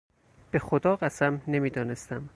به خدا قسم، نمیدانستم!